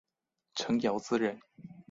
陈尧咨人。